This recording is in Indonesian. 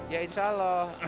ya insya allah